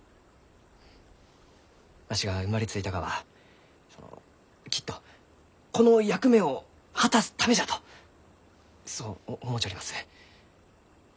わしが生まれついたがはそのきっとこの役目を果たすためじゃとそう思うちょります。